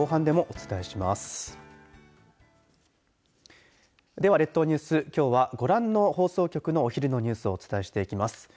では列島ニュースきょうはご覧の放送局のお昼のニュースをお伝えしていきます。